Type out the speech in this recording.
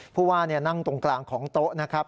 ผู้ว่านั่งตรงกลางของโต๊ะนะครับ